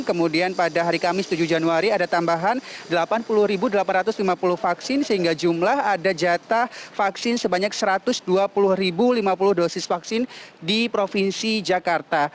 kemudian pada hari kamis tujuh januari ada tambahan delapan puluh delapan ratus lima puluh vaksin sehingga jumlah ada jatah vaksin sebanyak satu ratus dua puluh lima puluh dosis vaksin di provinsi jakarta